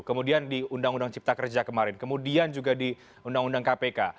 kemudian di undang undang cipta kerja kemarin kemudian juga di undang undang kpk